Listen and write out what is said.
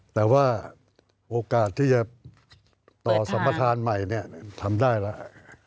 แต่ว่าโอกาสที่จะต่อสัมประธานใหม่ทำได้แล้ว